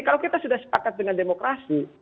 kalau kita sudah sepakat dengan demokrasi